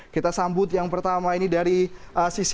kita sambut yang pertama ini dari sisi